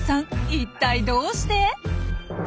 一体どうして？